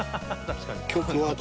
確かに。